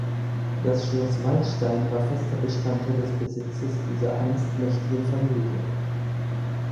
Das Schloss Waldstein war fester Bestandteil des Besitzes dieser einst mächtigen Familie.